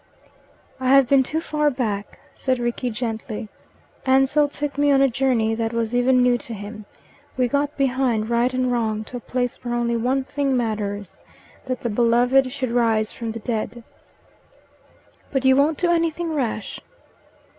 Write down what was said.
"I have been too far back," said Rickie gently. "Ansell took me on a journey that was even new to him. We got behind right and wrong, to a place where only one thing matters that the Beloved should rise from the dead." "But you won't do anything rash?"